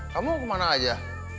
kamu mau kemana aja